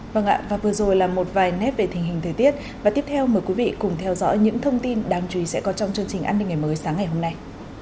vâng ạ và vừa rồi là một vài nét về tình hình thời tiết và tiếp theo mời quý vị cùng theo dõi những thông tin đáng chú ý sẽ có trong chương trình an ninh ngày mới sáng ngày hôm nay